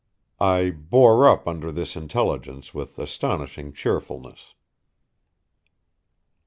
I bore up under this intelligence with astonishing cheerfulness.